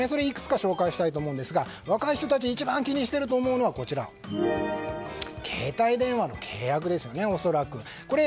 いくつか紹介したいと思いますが若い人たち一番気にしてると思うのは携帯電話の契約ですよね、恐らく。